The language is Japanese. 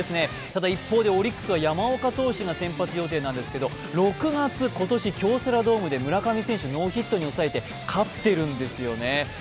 ただ一方でオリックスは山岡投手が先発予定ですけど６月今年京セラドームで村上選手をノーヒットに抑えて勝っているんですよね。